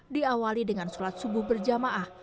diawali dengan sholat subuh berjamaah